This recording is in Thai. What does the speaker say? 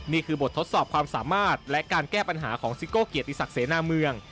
นี่คือบททดสอบความสามารถและการแก้ปัญหาของซิโก้เกียรติศักดิ์เสนาเมือง